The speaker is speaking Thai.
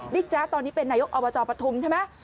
บิ๊กแจ๊ดตอนนี้เป็นนายกอวจประธุมใช่ไหม